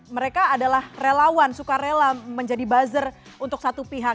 mereka adalah relawan suka rela menjadi buzzer untuk satu pihak